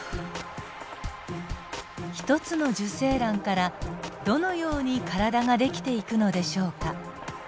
１つの受精卵からどのように体ができていくのでしょうか。